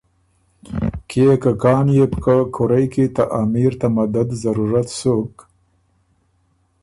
کيې که کان يې بو که کُورئ کی ته امیر ته مدد ضرورت سُک